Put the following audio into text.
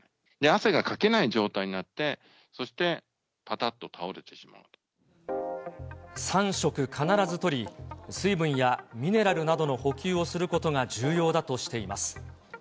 汗がかけない状態になって、３食必ずとり、水分やミネラルなどの補給をすることが重要だとしています。